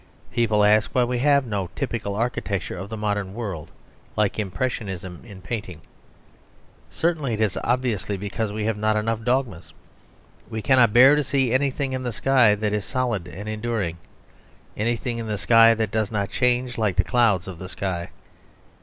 People ask why we have no typical architecture of the modern world, like impressionism in painting. Surely it is obviously because we have not enough dogmas; we cannot bear to see anything in the sky that is solid and enduring, anything in the sky that does not change like the clouds of the sky.